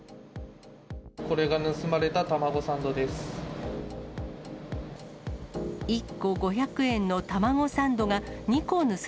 これが盗まれたタマゴサンドです。